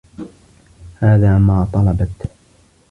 هَذَا مَا طَلَبْت